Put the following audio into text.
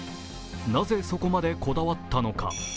なぜそこまでこだわったのか。